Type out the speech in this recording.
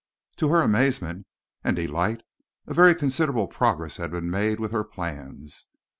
To her amazement and delight, a very considerable progress had been made with her plans.